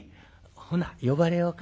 ほな呼ばれようか。